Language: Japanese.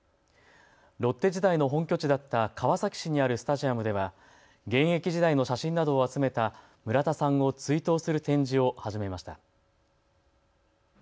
ロッテ時代の本拠地だった川崎市にあるスタジアムでは現役時代の写真などを集めた村田さんを追悼する展示を始めました。